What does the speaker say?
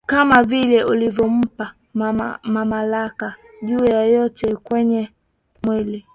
kama vile ulivyompa mamlaka juu ya wote wenye mwili